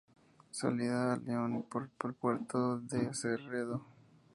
Salida a León por el Puerto de Cerredo.